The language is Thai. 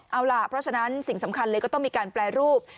เอาล่ะเพราะฉะนั้นสิ่งสำคัญเลยก็ต้องมีการแปรรูป